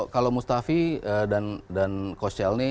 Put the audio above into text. kalau mustafi dan koncielny